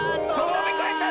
とびこえた！